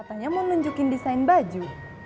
katanya mau nunjukin desain baju